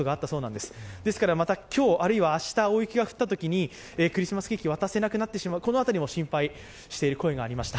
ですから今日、明日また大雪が降ったときにクリスマスケーキを渡せなくなってしまう、この辺りも心配している声がありました。